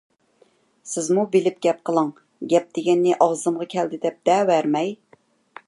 سىزمۇ بىلىپ گەپ قىلىڭ! گەپ دېگەننى ئاغزىمغا كەلدى دەپ دەۋەرمەي!